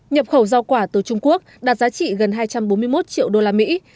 nhập khẩu giao quả từ trung quốc đạt giá trị gần hai trăm bốn mươi một triệu đô la mỹ